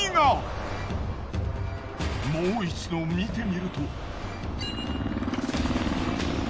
もう一度見てみると。